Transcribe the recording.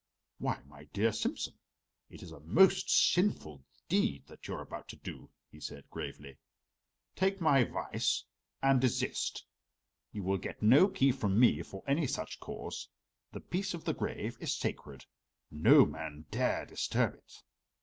"Why, my dear Simsen, it is a most sinful deed that you are about to do," he said gravely. "Take my advice and desist. You will get no key from me for any such cause. The peace of the grave is sacred. No man dare disturb it."